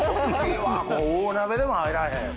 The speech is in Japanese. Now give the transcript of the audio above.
大鍋でも入らへん。